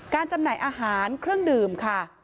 จำหน่ายอาหารเครื่องดื่มค่ะ